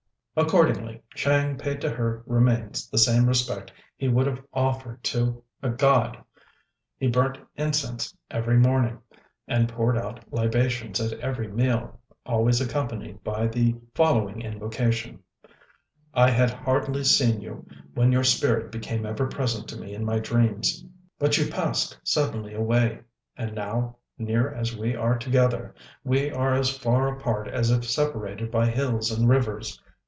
Accordingly Chang paid to her remains the same respect he would have offered to a god; he burnt incense every morning, and poured out libations at every meal, always accompanied by the following invocation: "I had hardly seen you when your spirit became ever present to me in my dreams. But you passed suddenly away; and now, near as we are together, we are as far apart as if separated by hills and rivers.